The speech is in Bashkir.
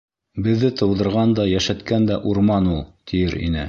Беҙҙе тыуҙырған да, йәшәткән дә -урман ул, тиер ине.